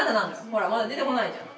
ほらまだ出てこないじゃん。